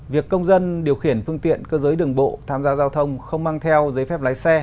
việc công dân điều khiển phương tiện cơ giới đường bộ tham gia giao thông không mang theo giấy phép lái xe